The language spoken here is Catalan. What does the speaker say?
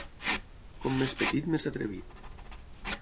Com més petit, més atrevit.